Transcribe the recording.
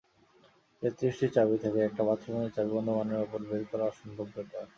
তেত্রিশটি চাবি থেকে একটা বাথরুমের চাবি অনুমানের ওপর বের করা অসম্ভব ব্যাপার।